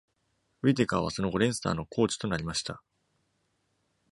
ウィテカーはその後、レンスターのコーチとなりました。